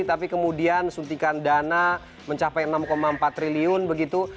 tapi kemudian suntikan dana mencapai enam empat triliun begitu